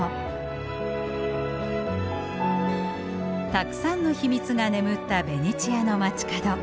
たくさんの秘密が眠ったベネチアの街角。